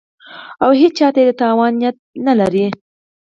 او هېچا ته د تاوان نیت نه لري